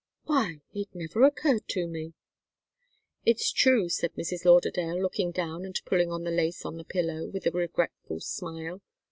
Why it never occurred to me!" "It's true," said Mrs. Lauderdale, looking down and pulling at the lace on the pillow, with a regretful smile.